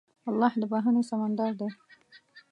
الله د بښنې سمندر دی.